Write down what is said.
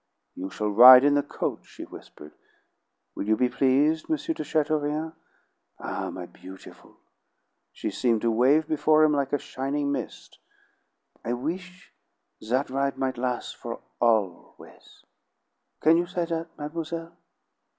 "You shall ride in the coach," she whispered. "Will you be pleased, M. de Chateaurien?" "Ah, my beautiful!" She seemed to wave before him like a shining mist. "I wish that ride might las' for always! Can you say that, mademoiselle?"